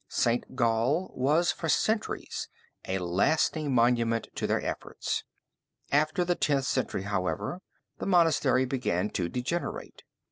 St. Gall was for centuries a lasting monument to their efforts. After the Tenth Century, however, the monastery began to degenerate.